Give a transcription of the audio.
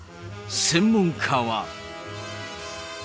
専門家は。